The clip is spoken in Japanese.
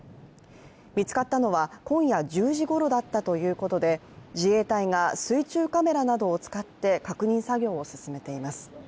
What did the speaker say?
見つかったのは今夜１０時ごろだったということで自衛隊が水中カメラなどを使って確認作業を進めています。